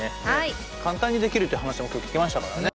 簡単にできるって話も今日聞きましたからね。